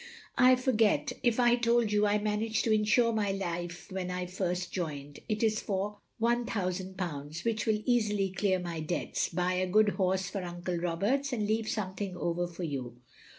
I forget if I told you I managed to insure my life when I first joined. It is for ;£iooo, which will easily clear my debts, buy a good horse for Uncle Roberts, and leave something over for you.